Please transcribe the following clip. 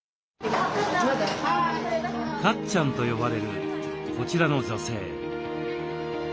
「かっちゃん」と呼ばれるこちらの女性。